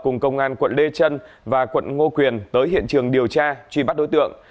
cùng công an quận lê trân và quận ngô quyền tới hiện trường điều tra truy bắt đối tượng